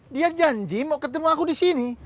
dia janji mau ketemu aku disini